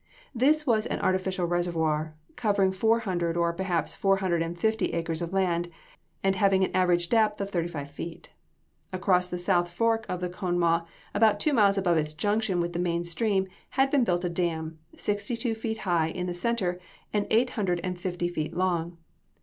This was an artificial reservoir, covering four hundred, or perhaps four hundred and fifty acres of land, and having an average depth of thirty feet. Across the south fork of the Conemaugh, about two miles above its junction with the main stream, had been built a dam, sixty two feet high in the center, and eight hundred and fifty feet long.